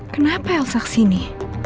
kenapa elsa kesini